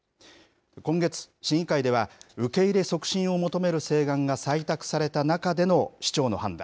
今月、市議会では受け入れ促進を求める請願が採択された中での市長の判断。